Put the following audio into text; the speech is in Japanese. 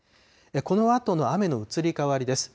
このあとの雨の移り変わりです。